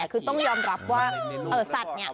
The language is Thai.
คือต้องยอมรับว่าสัตว์เนี่ย